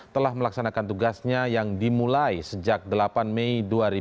telah melaksanakan tugasnya yang dimulai sejak delapan mei dua ribu dua puluh